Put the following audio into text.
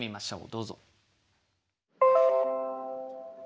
どうぞ。